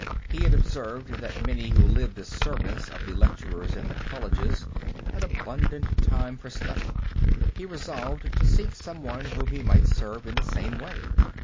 He had observed that many who lived as servants of the lecturers in the colleges had abundant time for study. He resolved to seek some one whom he might serve in the same way.